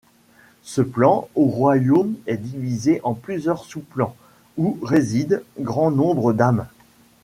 Ce plan ou royaume est divisé en plusieurs sous-plans où résident grand nombre d'âmes.